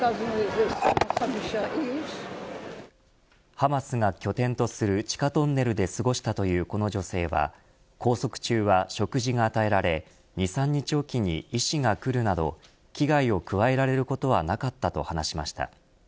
ハマスが拠点とする地下トンネルで過ごしたというこの女性は拘束中は食事が与えられ２、３日おきに医師が来るなど危害を加えられることはなかったと話しました。